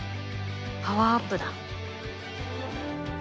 パワーアップだ。